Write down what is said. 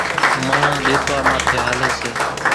ماڻۿان ۮيتوا ماٿي ھالي سي،